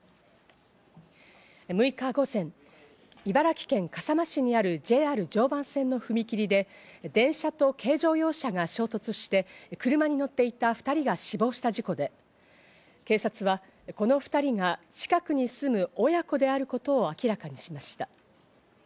６日午前、茨城県笠間市にあるＪＲ常磐線の踏み切りで、電車と軽乗用車が衝突して車に乗っていた２人が死亡した事故で、警察はこの２人が近くに住む親子であることを明らかにしました。